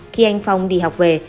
khi anh phong đi học về